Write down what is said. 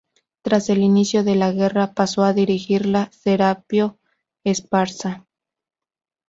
Tras el inicio de la guerra, pasó a dirigirla Serapio Esparza.